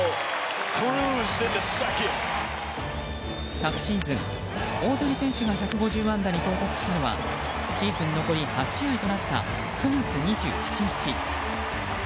昨シーズン、大谷選手が１５０安打に到達したのはシーズン残り８試合となった９月２７日。